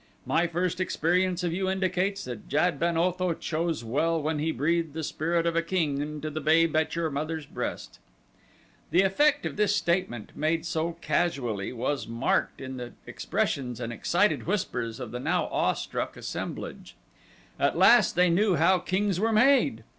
My first experience of you indicates that Jad ben Otho chose well when he breathed the spirit of a king into the babe at your mother's breast." The effect of this statement, made so casually, was marked in the expressions and excited whispers of the now awe struck assemblage. At last they knew how kings were made!